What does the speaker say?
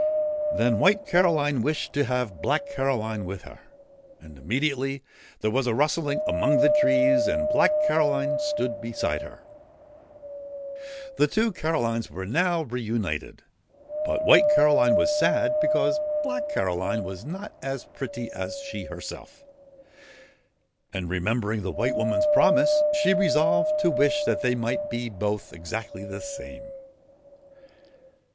Then White Caroline wished to have Black Caroline with her. And immediately there was a rustling among the trees, and Black Caroline stood beside her ! 20 WHITE CAROLINE AND BLACK CAROLINE The two Carolines were now reunited. But White Caroline was sad because Black Caroline was not as pretty as she herself, and, remembering the White Woman's promise, she resolved to wish that they might both be exactly the same.